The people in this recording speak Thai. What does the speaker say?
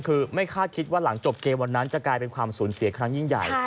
คือไม่คาดคิดว่าหลังจบเกมวันนั้นจะกลายเป็นความสูญเสียครั้งยิ่งใหญ่